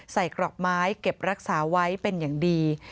กรอกไม้เก็บรักษาไว้เป็นอย่างดี